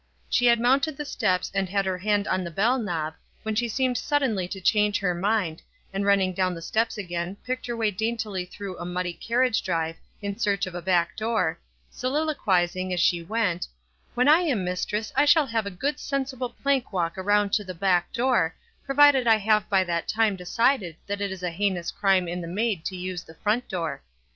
She had mounted the steps and had her hand on the bell knob, when she seemed suddenly to change her mind, and run ning down the steps again, picked her way dain tily through a muddy carriage drive in search of a back door, soliloquizing, as she went, "When I am mistress I shall have a good sen sible plank walk around to the back door, pro vided I have by that time decided that it is a heinous crime in the maid to use the front door.